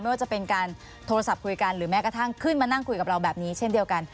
ว่าจะเป็นการโทรศัพท์คุยกันหรือแม้กระทั่งขึ้นมานั่งคุยกับเราแบบนี้เช่นเดียวกัน